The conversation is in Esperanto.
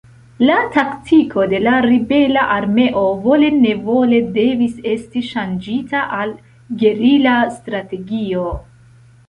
La taktiko de la ribela armeo vole-nevole devis esti ŝanĝita al gerila strategio.